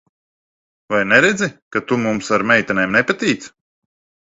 Vai neredzi, ka tu mums ar meitenēm nepatīc?